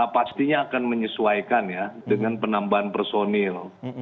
pastinya akan menyesuaikan ya dengan penambahan personil